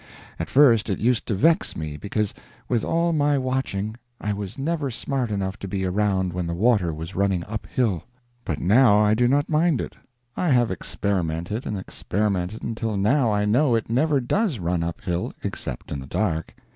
At first it used to vex me because, with all my watching, I was never smart enough to be around when the water was running uphill; but now I do not mind it. I have experimented and experimented until now I know it never does run uphill, except in the dark.